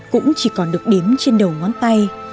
cũng chỉ còn được đếm trên đầu ngón tay